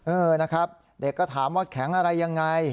เออนะครับเด็กก็ถามว่าแข็งอะไรยังไง